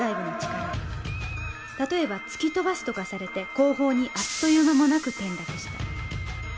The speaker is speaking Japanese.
例えば突き飛ばすとかされて後方にあっという間もなく転落した。